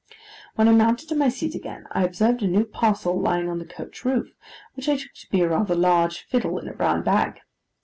When I mounted to my seat again, I observed a new parcel lying on the coach roof, which I took to be a rather large fiddle in a brown bag.